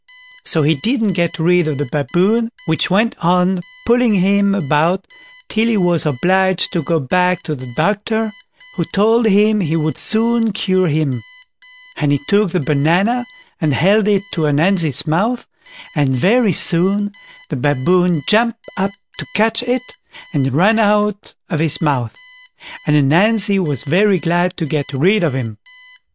So he didn't get rid of the Baboon, which went on pulling him about till he was obliged to go back to the doctor, who told him he would soon cure him; and he took the banana, and held it to Ananzi's mouth, and very soon the Baboon jumped up to catch it, and ran out of his mouth; and Ananzi was very glad to get rid of him.